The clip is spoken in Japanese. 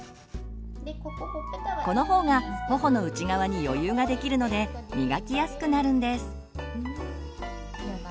このほうがほほの内側に余裕ができるのでみがきやすくなるんです。